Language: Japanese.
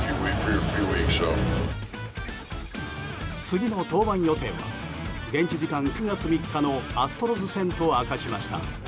次の登板予定は現地時間９月３日のアストロズ戦と明かしました。